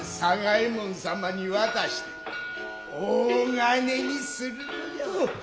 右衛門様に渡して大金にするのじゃワイ。